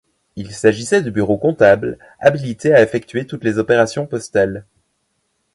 Il s’agissait de bureaux comptables habilités à effectuer toutes les opérations postales.